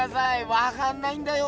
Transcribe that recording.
わかんないんだよ